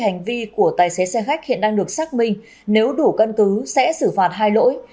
hành vi của tài xế xe khách hiện đang được xác minh nếu đủ căn cứ sẽ xử phạt hai lỗi